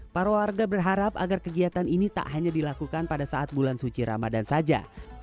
para warga berharap agar kegiatan ini tak hanya dilakukan pada saat bulan suci ramadan saja